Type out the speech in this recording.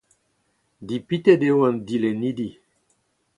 Dipitet eo an dilennidi.